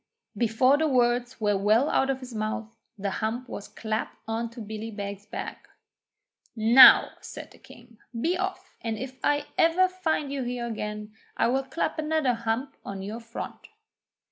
Before the words were well out of his mouth the hump was clapt on to Billy Beg's back. 'Now,' said the King, 'be off, and if ever I find you here again, I will clap another hump on to your front!'